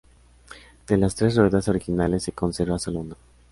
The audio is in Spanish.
De las tres ruedas originales, se conserva solo una.